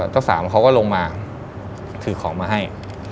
เจ้าสาวเขาก็ลงมาถือของมาให้